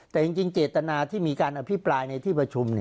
แต่จริงเจตนาที่มีการอภิปรายในที่ประชุม